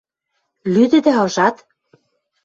Лӱдӹдӓ, ыжат!